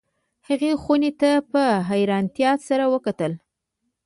هغې خونې ته په حیرانتیا سره وکتل